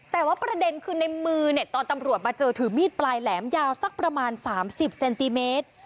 แต่ว่าประเด็นคือในมือเนี่ยตอนตำรวจมาเจอถือมีดปลายแหลมยาวสักประมาณ๓๐เซนติเมตร